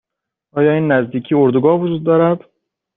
آیا این نزدیکی اردوگاه وجود دارد؟